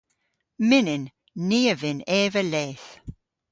Mynnyn. Ni a vynn eva leth.